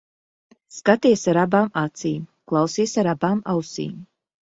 Skaties ar abām acīm, klausies ar abām ausīm.